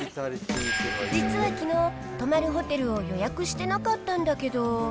実はきのう、泊まるホテルを予約してなかったんだけど。